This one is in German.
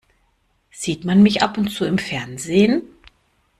Sieht man mich ab und zu im Fernsehen?